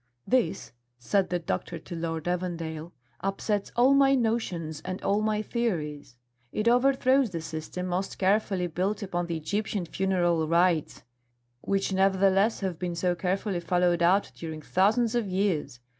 "This," said the doctor to Lord Evandale, "upsets all my notions and all my theories. It overthrows the system most carefully built upon the Egyptian funeral rites, which nevertheless have been so carefully followed out during thousands of years.